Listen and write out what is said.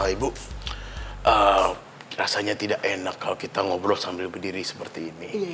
ibu rasanya tidak enak kalau kita ngobrol sambil berdiri seperti ini